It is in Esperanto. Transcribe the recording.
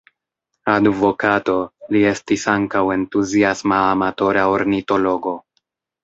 Advokato, li estis ankaŭ entuziasma amatora ornitologo.